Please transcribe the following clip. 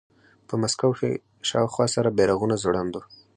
په مسکو کې شاوخوا سره بیرغونه ځوړند وو